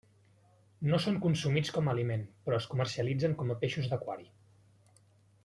No són consumits com a aliment, però es comercialitzen com a peixos d'aquari.